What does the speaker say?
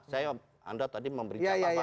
saya anda tadi memberi catatan